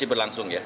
ini berlangsung ya